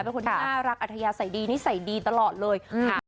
เป็นคนที่น่ารักอัธยาศัยดีนิสัยดีตลอดเลยค่ะ